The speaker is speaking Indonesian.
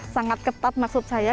sangat ketat maksud saya